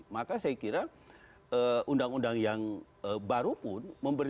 maka saya kira undang undang yang baru pun